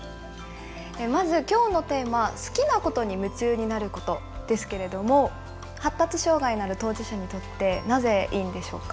まず今日のテーマ「好きなことに夢中になること」ですけれども発達障害のある当事者にとってなぜいいんでしょうか？